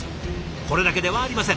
これだけではありません。